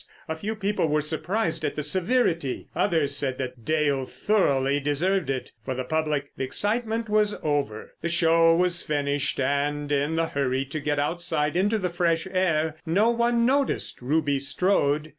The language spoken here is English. A few people were surprised at the severity; others said that Dale thoroughly deserved it. For the public the excitement was over, the show was finished, and in the hurry to get outside into the fresh air, no one noticed Ruby Strode.